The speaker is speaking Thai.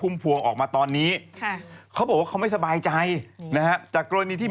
อุปปอมตัวจริงหน่อย